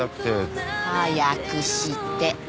早くして。